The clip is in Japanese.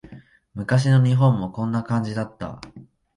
昔の日本もこんな感じだった